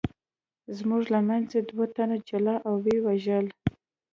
زموږ له منځه یې دوه تنه جلا او ویې وژل.